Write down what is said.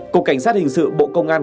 cộng cảnh sát hình sự bộ công an